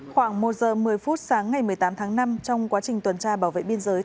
khoảng một giờ một mươi phút sáng ngày một mươi tám tháng năm trong quá trình tuần tra bảo vệ biên giới